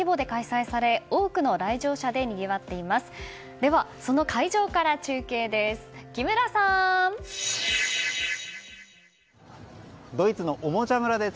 では、その会場から中継です。